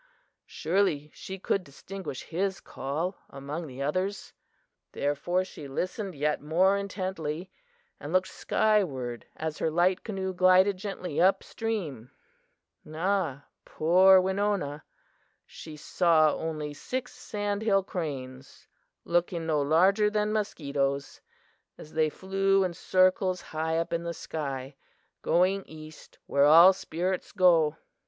Surely she could distinguish his call among the others! Therefore she listened yet more intently, and looked skyward as her light canoe glided gently up stream. "Ah, poor Winona! She saw only six sandhill cranes, looking no larger than mosquitoes, as they flew in circles high up in the sky, going east where all spirits go.